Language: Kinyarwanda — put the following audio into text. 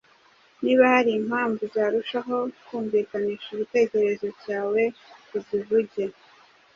Niba hari impapuro zarushaho kumvikanisha igitekerezo cyawe uzivuge,